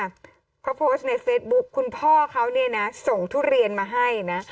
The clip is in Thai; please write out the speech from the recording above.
มีโพสต์ในเซ็ทบุ๊คคุณพ่อเขาส่งทุเรียนมาให้นะ